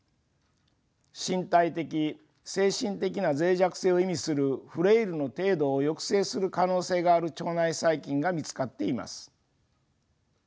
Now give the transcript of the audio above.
身体的精神的な脆弱性を意味するフレイルの程度を抑制する可能性がある腸内細菌が見つかっています。